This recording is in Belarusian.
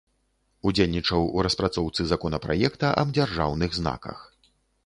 Удзельнічаў у распрацоўцы законапраекта аб дзяржаўных знаках.